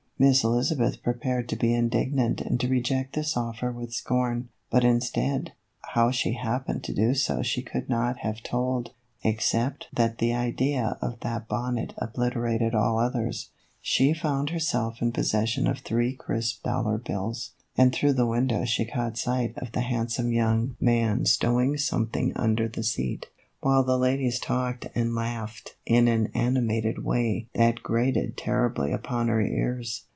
Miss Elizabeth prepared to be indignant and to reject this offer with scorn, but instead how she happened to do so she could not have told, except that the idea of that bonnet obliterated all others she found herself in possession of three crisp dollar bills, and through the window she caught sight of the handsome young man stowing something under the seat, while the ladies talked and laughed in an animated way that grated terribly upon her ears.